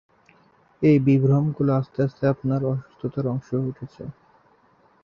এই বিভ্রমগুলো আস্তে আস্তে আপনার অসুস্থতার অংশ হয়ে উঠেছে।